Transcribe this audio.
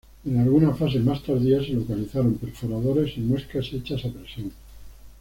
En alguna fase más tardía se localizaron perforadores y muescas hechas a presión.